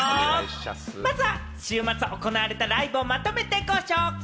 まずは週末行われたライブをまとめてご紹介！